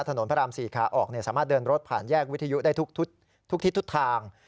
ถนนพระราม๔ขาออกสามารถเดินรถผ่านแยกวิทยุได้ทุกทิศทุกทาง